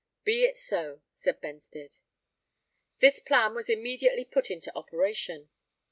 "Be it so," said Benstead. This plan was immediately put into operation.